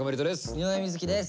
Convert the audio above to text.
井上瑞稀です。